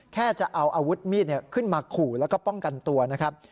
แค่จะเอาอาวุธมีดขึ้นมาขู่แล้วก็ป้องกันตัวนะครับ